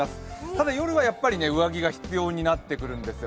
ただ、夜はやっぱり上着が必要になってくるんですよ。